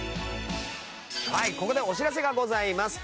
ここでお知らせがございます。